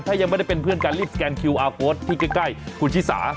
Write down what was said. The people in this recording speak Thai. ถ้ายังไม่ได้เป็นเพื่อนกันรีบสแกนคิวอาร์โค้ดที่ใกล้คุณชิสา